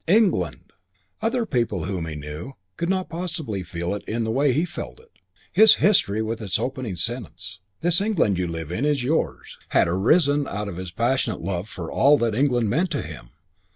England! Other people whom he knew could not possibly feel it in the way he felt it. His history with its opening sentence, "This England you live in is yours", had arisen out of his passionate love for all that England meant to him.